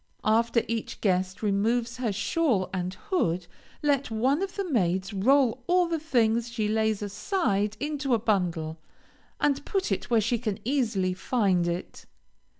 After each guest removes her shawl and hood, let one of the maids roll all the things she lays aside into a bundle, and put it where she can easily find it.